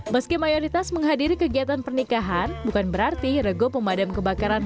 meski mayoritas menghadiri kegiatan pernikahan bukan berarti rego pemadam kebakaran